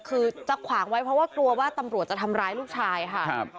คือจะขวางไว้เพราะว่ากลัวว่าตำรวจจะทำร้ายลูกชายค่ะ